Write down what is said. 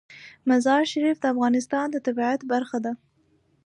مزارشریف د افغانستان د طبیعت برخه ده.